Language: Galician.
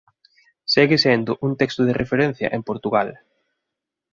Segue sendo un texto de referencia en Portugal.